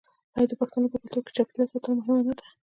آیا د پښتنو په کلتور کې د چاپیریال ساتنه مهمه نه ده؟